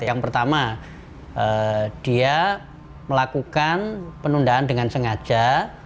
yang pertama dia melakukan penundaan dengan sengaja